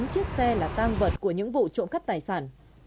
một số chiếc xe là tang vật của những vụ trộm cắp tài sản